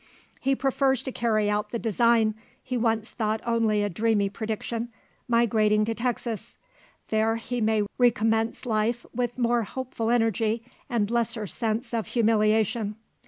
He prefers to carry out the design, he once thought only a dreamy prediction migrating to Texas. There, he may recommence life with more hopeful energy, and lesser sense of humiliation.